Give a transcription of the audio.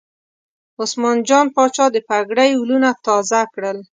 عثمان جان پاچا د پګړۍ ولونه تازه کړل.